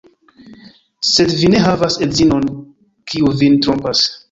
Sed vi ne havas edzinon, kiu vin trompas.